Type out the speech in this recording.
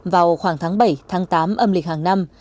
vào khoảng tháng bảy tháng tám âm lịch hàng năm